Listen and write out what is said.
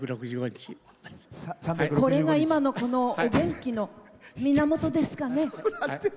これが今の元気の源ですかね。